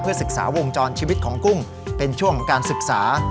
ศึกษาวงจรชีวิตของกุ้งเป็นช่วงของการศึกษา